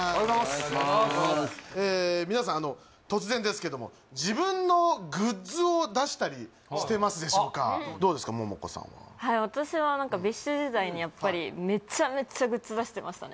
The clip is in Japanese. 皆さんあの突然ですけどもしてますでしょうかどうですかモモコさんははい私はなんかＢｉＳＨ時代にやっぱりめちゃめちゃグッズ出してましたね